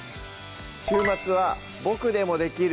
週末は「ボクでもできる！